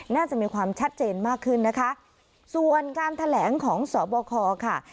น่าจะมีความชัดเจนมากขึ้นนะคะส่วนการแถลงของสบคค่ะ